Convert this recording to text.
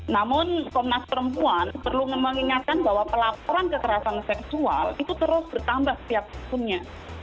namun komnas perempuan perlu mengingatkan bahwa pelaporan kekerasan seksual itu terus bertambah setiap tahunnya